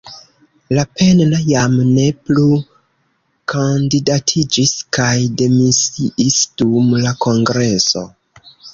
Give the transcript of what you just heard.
Lapenna jam ne plu kandidatiĝis kaj demisiis dum la kongreso.